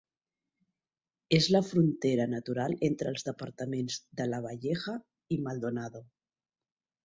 És la frontera natural entre els departaments de Lavalleja i Maldonado.